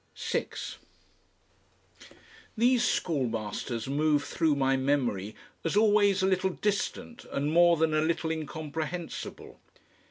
6 These schoolmasters move through my memory as always a little distant and more than a little incomprehensible.